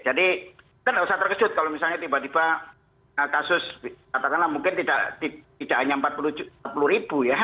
jadi kan nggak usah terkejut kalau misalnya tiba tiba kasus katakanlah mungkin tidak hanya empat puluh ribu ya